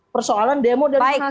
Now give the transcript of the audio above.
persoalan demo dari mahasiswa